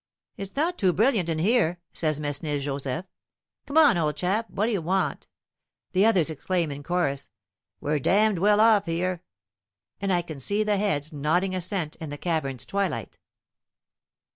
"It's not too brilliant in here," says Mesnil Joseph. "Come, old chap, what do you want?" The others exclaim in chorus, "We're damned well off here." And I can see heads nodding assent in the cavern's twilight.